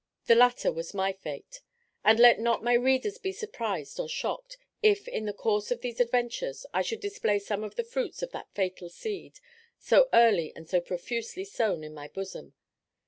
The latter was my fate; and let not my readers be surprised or shocked, if, in the course of these adventures, I should display some of the fruits of that fatal seed, so early and so profusely sown in my bosom.